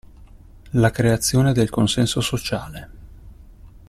La creazione del consenso sociale.